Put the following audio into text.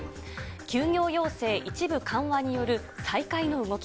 休業要請一部緩和による再開の動き。